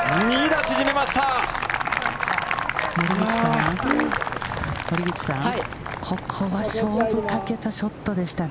２打、縮めました。